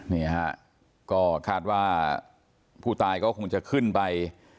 นี่ฮะก็คาดว่าผู้ตายก็คงจะขึ้นไป